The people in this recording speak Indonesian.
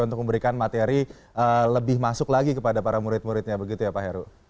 untuk memberikan materi lebih masuk lagi kepada para murid muridnya begitu ya pak heru